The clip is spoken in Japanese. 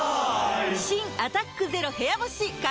新「アタックＺＥＲＯ部屋干し」解禁‼